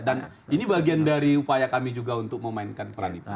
dan ini bagian dari upaya kami juga untuk memainkan peran itu saja ya